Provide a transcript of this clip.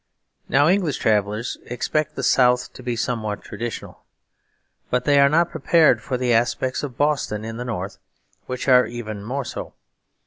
Now English travellers expect the South to be somewhat traditional; but they are not prepared for the aspects of Boston in the North which are even more so.